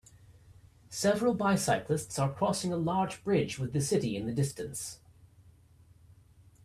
Several bicyclists are crossing a large bridge with the city in the distance.